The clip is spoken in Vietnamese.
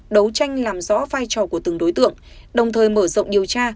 đấu tranh làm rõ vai trò của từng đối tượng đồng thời mở rộng điều tra